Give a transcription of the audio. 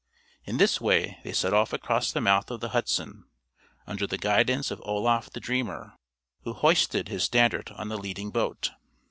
In this way they set off across the mouth of the Hudson, under the guidance of Oloffe the Dreamer, who hoisted his standard on the leading boat.